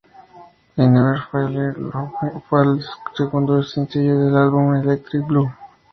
I'll Never Fall in Love Again fue el segundo sencillo del álbum Electric Blue.